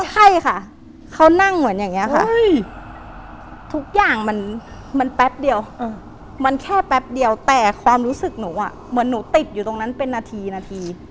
ใช่ค่ะเขานั่งเหมือนอย่างนี้ค่ะทุกอย่างมันแป๊บเดียวมันแค่แป๊บเดียวแต่ความรู้สึกหนูเหมือนหนูติดอยู่ตรงนั้นเป็นนาทีนาที